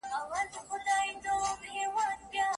څېړونکی ولې باید خپله مقاله پخپله ولیکي؟